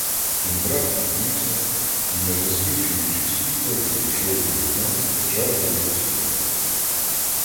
Кіндрат підвівся й, не засвічуючи світла, підійшов до вікна й почав дивитись у нього.